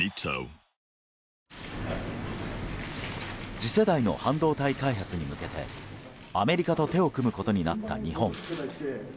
次世代の半導体開発に向けてアメリカと手を組むことになった日本。